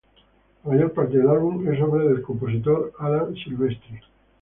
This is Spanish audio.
La mayor parte del álbum es obra del compositor Alan Silvestri.